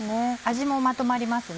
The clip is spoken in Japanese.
味もまとまります。